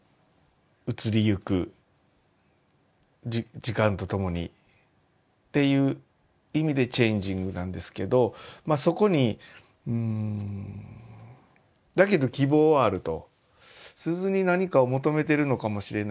移りゆく時間とともにっていう意味でチェンジングなんですけどまあそこにんだけど希望はあると。